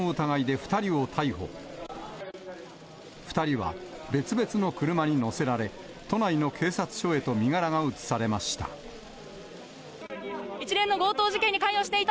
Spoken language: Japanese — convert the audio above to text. ２人は別々の車に乗せられ、都内の警察署へと身柄が移されました。